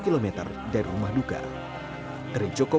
cuma mau ada les pramuka